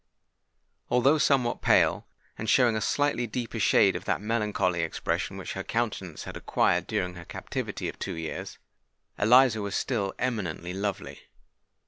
Although somewhat pale, and showing a slightly deeper shade of that melancholy expression which her countenance had acquired during her captivity of two years, Eliza was still eminently lovely.